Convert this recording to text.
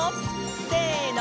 せの！